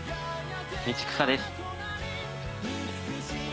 道草です。